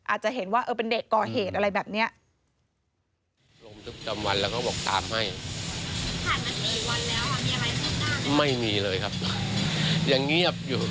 อาจจะเห็นว่าเป็นเด็กก่อเหตุอะไรแบบนี้